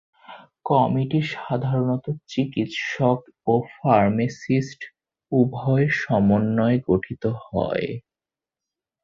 Committee সাধারণত চিকিৎসক ও ফার্মাসিস্ট উভয়ের সমন্বয়ে গঠিত হয়।